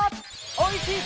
おいしい！